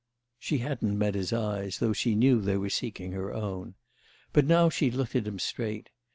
She hadn't met his eyes, though she knew they were seeking her own. But now she looked at him straight.